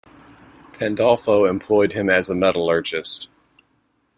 Pandolfo employed him as a metallurgist.